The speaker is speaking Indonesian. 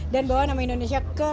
dan bawa nama indonesia ke luar